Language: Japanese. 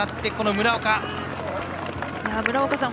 村岡さん